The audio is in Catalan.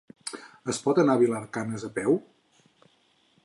Es pot anar a Vilar de Canes a peu?